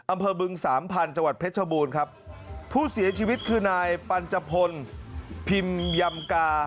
บึงสามพันธุ์จังหวัดเพชรบูรณ์ครับผู้เสียชีวิตคือนายปัญจพลพิมยำกา